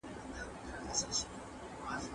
ماشومان د نوو اړیکو جوړولو توان لري.